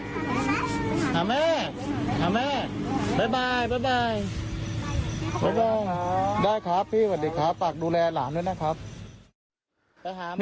พี่สาวอายุ๗ขวบก็ดูแลน้องดีเหลือเกิน